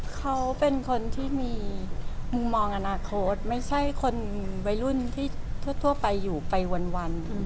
เขาเป็นคนที่มีมุมมองอนาคตไม่ใช่คนวัยรุ่นที่ทั่วไปอยู่ไปวัน